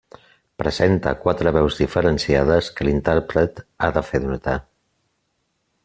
Presenta quatre veus diferenciades que l'intèrpret ha de fer notar.